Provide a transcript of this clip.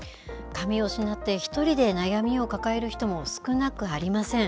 髪を失って一人で悩みを抱える人も少なくありません。